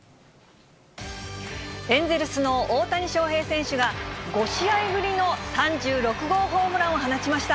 エンゼルスの大谷翔平選手が、５試合ぶりの３６号ホームランを放ちました。